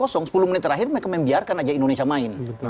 sepuluh menit terakhir mereka membiarkan aja indonesia main